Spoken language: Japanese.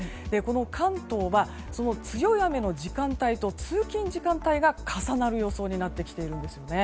関東は、強い雨の時間帯と通勤時間帯が重なる予想になってきているんです。